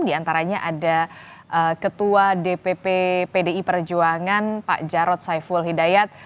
di antaranya ada ketua dpp pdi perjuangan pak jarod saiful hidayat